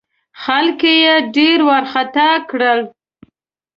خلک یې ډېر وارخطا کړل.